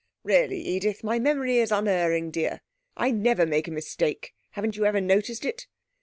'Really. Edith!... My memory is unerring, dear. I never make a mistake. Haven't you ever noticed it?'